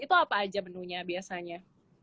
itu apa aja menunya biasanya